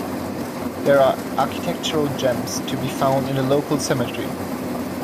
There are architectural gems to be found in the local cemetery.